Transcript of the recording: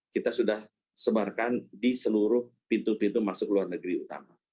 kita sudah sebarkan di seluruh pintu pintu masuk luar negeri utama